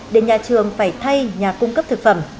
để nhà trường phải thay nhà cung cấp thực phẩm